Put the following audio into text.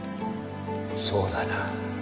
そうだな。